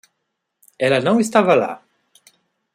Ela não estava lá.